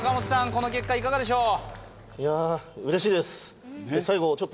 この結果いかがでしょう？